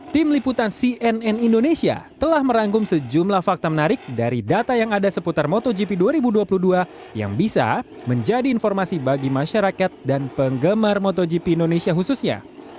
tim liputan cnn indonesia telah merangkum sejumlah fakta menarik dari data yang ada seputar motogp dua ribu dua puluh dua yang bisa menjadi informasi bagi masyarakat dan penggemar motogp indonesia khususnya